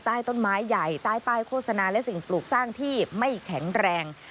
ใต้ต้นไม้ใหญ่ใต้ป้ายโฆษณาและสิ่งปลูกสร้างที่ไม่แข็งแรง